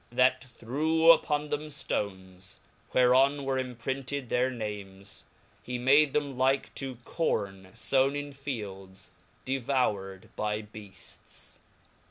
that threw upon them ftones , whereon were imprinted their names ; he made them like to corn fown in fields, devoured by beaits.